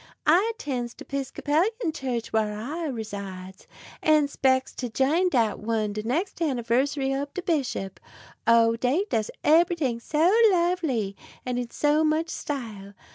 I 'tends de 'Pisclopian Church whar I resides, an' 'specs to jine dat one de nex' anniversary ob de bishop. Oh! dey does eberything so lovely, and in so much style.